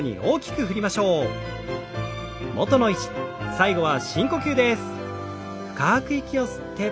最後は深呼吸です。